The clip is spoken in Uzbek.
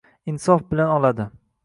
“Insof” bilan oladi.